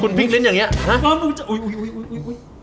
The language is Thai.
คุณพิกลิ้นอย่างเนี่ย